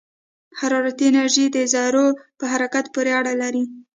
حرارتي انرژي د ذرّو په حرکت پورې اړه لري.